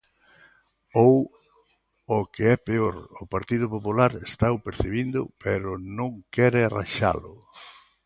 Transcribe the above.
Ou, o que é peor, o Partido Popular estao percibindo pero non quere arranxalo.